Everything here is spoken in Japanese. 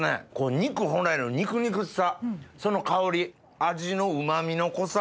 肉本来の肉々しさその香り味の旨みの濃さ。